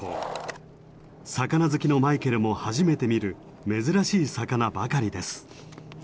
魚好きのマイケルも初めて見る珍しい魚ばかりです。